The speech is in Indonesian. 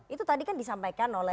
itu tadi kan disampaikan oleh